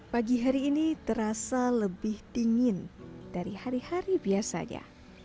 pagi hari ini terasa lebih dingin dari hari hari biasanya